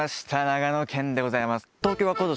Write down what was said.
長野県でございます。